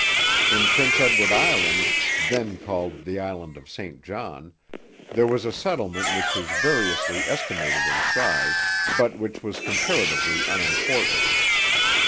In Prince Edward Island, then called the Island of St John, there was a settlement which is variously estimated in size, but which was comparatively unimportant.